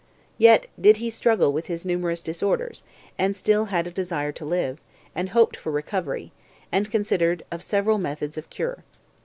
Yet did he struggle with his numerous disorders, and still had a desire to live, and hoped for recovery, and considered of several methods of cure.